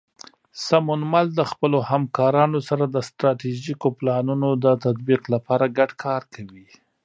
سمونمل د خپلو همکارانو سره د ستراتیژیکو پلانونو د تطبیق لپاره ګډ کار کوي.